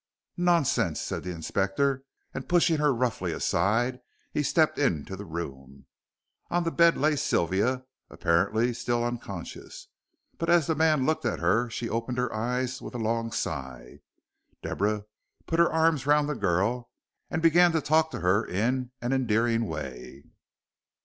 "Nonsense," said the Inspector, and pushing her roughly aside he stepped into the room. On the bed lay Sylvia, apparently still unconscious, but as the man looked at her she opened her eyes with a long sigh. Deborah put her arms round the girl and began to talk to her in an endearing way.